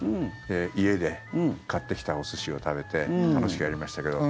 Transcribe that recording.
家で、買ってきたお寿司を食べて楽しくやりましたけれども。